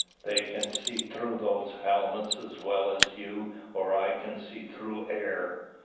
They can see through those helmets as well as you or I can see through air."